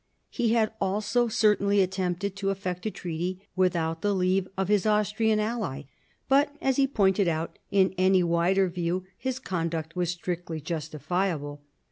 He had also certainly attempted to effect a treaty without the leave of his Austrian ally. But, as he pointed out, in any wider view his conduct was strictly justifiable.